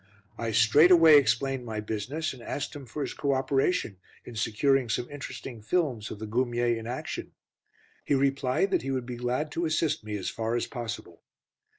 I straightway explained my business, and asked him for his co operation in securing some interesting films of the Goumiers in action. He replied that he would be glad to assist me as far as possible.